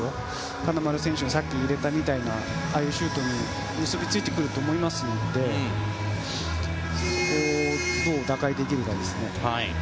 金丸選手がさっき入れたみたいなああいうシュートに結びついてくると思いますのでどう打開できるかですね。